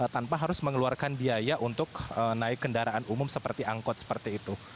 tanpa harus mengeluarkan biaya untuk naik kendaraan umum seperti angkot seperti itu